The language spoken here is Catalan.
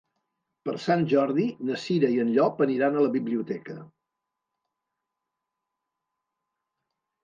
Per Sant Jordi na Cira i en Llop aniran a la biblioteca.